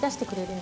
ん！